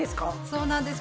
そうなんです。